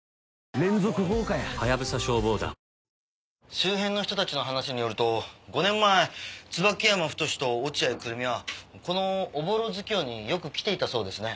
周辺の人たちの話によると５年前椿山太と落合久瑠実はこのおぼろ月夜によく来ていたそうですね。